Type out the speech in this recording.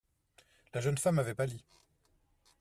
La jeune femme avait pâli.